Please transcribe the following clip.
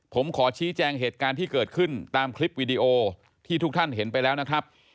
ผมขอชี้แจงเหตุการณ์ที่เกิดขึ้นตามคลิปวีดีโอที่ทุกท่านเห็นไปแล้วนะครับ